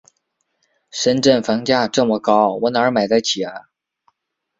深圳房价这么高，我哪儿买得起？